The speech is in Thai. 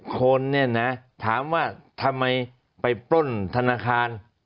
คนถามว่าทำไมไปปล้นธนาคาร